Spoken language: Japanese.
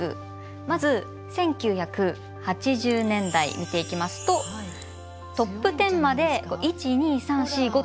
まず１９８０年代見ていきますとトップテンまで１２３４５と。